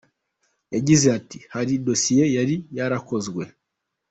Yagize ati “Hari dosiye yari yarakozwe.